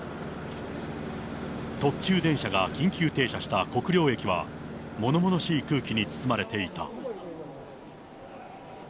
特急電車が緊急停車した国領駅は、ものものしい空気に包まれていた。